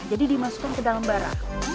jadi dimasukkan ke dalam bara